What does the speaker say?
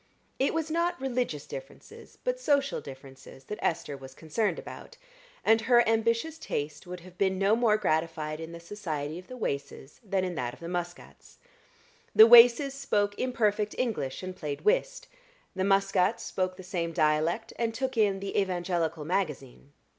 It was not religious differences, but social differences, that Esther was concerned about, and her ambitious taste would have been no more gratified in the society of the Waces than in that of the Muscats. The Waces spoke imperfect English and played whist; the Muscats spoke the same dialect and took in the "Evangelical Magazine."